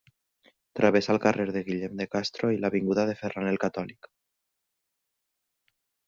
Travessa el carrer de Guillem de Castro i l'avinguda de Ferran el Catòlic.